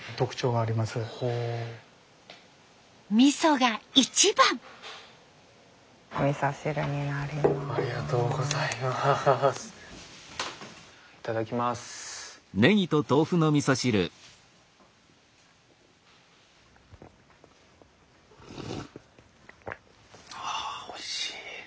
あおいしい。